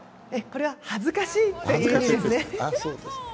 これは恥ずかしいという意味ですね。